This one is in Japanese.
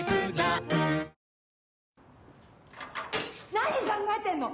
・何考えてんの！